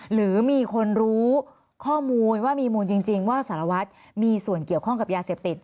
หรือมีคนรู้ข้อมูลว่ามีมูลจริงว่าสารวัตรมีส่วนเกี่ยวข้องกับยาเสพติด